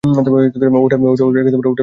ওটার কী ব্যবস্থা নিতে চাচ্ছ?